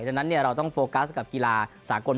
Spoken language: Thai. ดังนั้นเราต้องโฟกัสกับกีฬาสากล